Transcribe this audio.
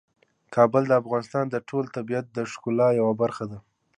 کابل د افغانستان د ټول طبیعت د ښکلا یوه برخه ده.